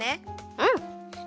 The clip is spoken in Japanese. うん。